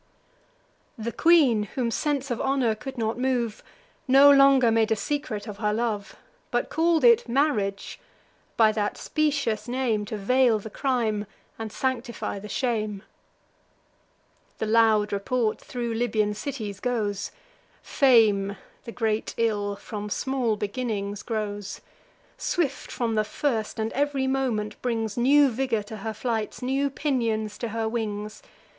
The queen, whom sense of honour could not move, No longer made a secret of her love, But call'd it marriage, by that specious name To veil the crime and sanctify the shame. The loud report thro' Libyan cities goes. Fame, the great ill, from small beginnings grows: Swift from the first; and ev'ry moment brings New vigour to her flights, new pinions to her wings.